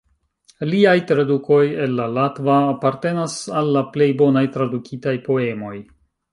Liaj tradukoj el la latva apartenas al la plej bonaj tradukitaj poemoj.